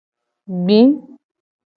Gbi.